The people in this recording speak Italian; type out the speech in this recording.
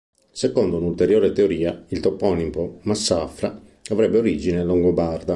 Secondo un'ulteriore teoria il toponimo Massafra avrebbe origine longobarda.